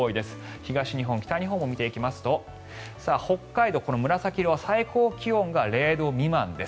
東日本、北日本も見ていきますと北海道、紫色は最高気温が０度未満です。